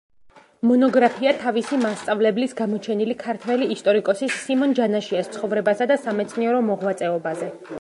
მონოგრაფია თავისი მასწავლებლის, გამოჩენილი ქართველი ისტორიკოსის სიმონ ჯანაშიას ცხოვრებასა და სამეცნიერო მოღვაწეობაზე.